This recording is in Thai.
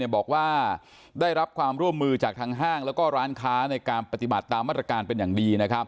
บอกว่าได้รับความร่วมมือจากทางห้างแล้วก็ร้านค้าในการปฏิบัติตามมาตรการเป็นอย่างดี